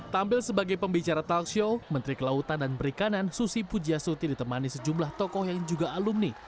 tampil sebagai pembicara talk show menteri kelautan dan perikanan susi pujiasuti ditemani sejumlah tokoh yang juga alumni